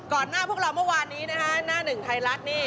หน้าพวกเราเมื่อวานนี้นะคะหน้าหนึ่งไทยรัฐนี่